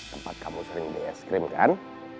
tempat kamu sering di es krim kan